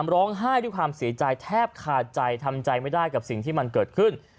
ร้องไห้ด้วยความเสียใจแทบขาดใจทำใจไม่ได้กับสิ่งที่มันเกิดขึ้น